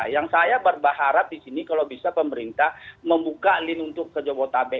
yang saya berbaharat di sini kalau bisa pemerintah membuka lin untuk ke jadwal ritapak